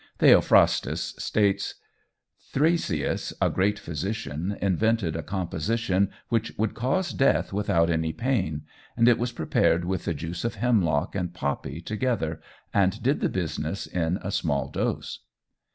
Theophrastus states, "Thrasyas, a great physician, invented a composition which would cause death without any pain, and it was prepared with the juice of hemlock and poppy together, and did the business in a small dose."